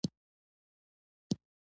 ته له کوم ځايه راغلې ؟ وروره